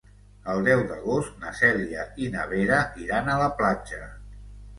El deu d'agost na Cèlia i na Vera iran a la platja.